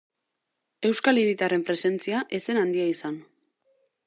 Euskal hiritarren presentzia ez zen handia izan.